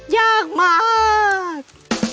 ยากมาก